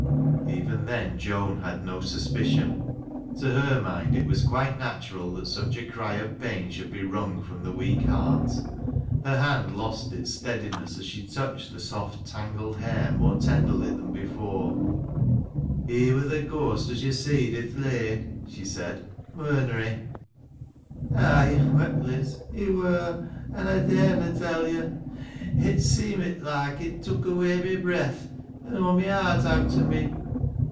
Even then Joan had no suspicion. To her mind it wae quite natural that such a cry of pain should be wrung from the weak heart. Her hand lost its steadiness as she touched the soft, tangled hair more tenderly than before, " He wur th' ghost as yo' seed i' th' lane," she said, « Wur na he ?"" Aye," wept Liz, " he wur, an' I dare na tell yo'. It seemit loike it tuk away my breath, an aw my heart owt o' me.